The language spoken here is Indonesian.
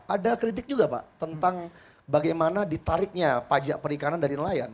ada kritik juga pak tentang bagaimana ditariknya pajak perikanan dari nelayan